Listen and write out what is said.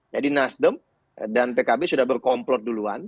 jadi nasdem dan pkb sudah berkomplot duluan